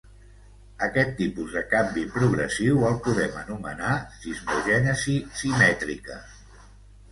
Aquest tipus de canvi progressiu el podem anomenar cismogènesis simètrica.